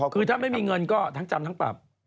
คือถ้าไม่มีเงินก็ทั้งจำทั้งปรับ